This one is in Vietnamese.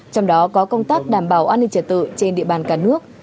trong đó có công tác đảm bảo an ninh trật tự trên địa bàn cả nước